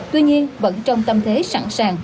tuy nhiên vẫn trong tâm thế sẵn sàng